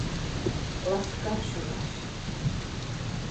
Ласка шӱлаш.